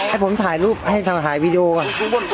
ให้ผมถ่ายรูปให้ทำหายวีดีโอก่อน